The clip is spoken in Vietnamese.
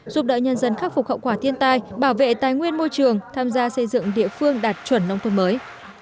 giúp đỡ nhân dân khắc phục hậu quả thiên tai bảo vệ tài nguyên môi trường tham gia xây dựng địa phương đạt chuẩn nông thôn mới